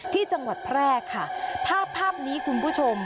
ที่จังหวัดแพร่ค่ะภาพภาพนี้คุณผู้ชม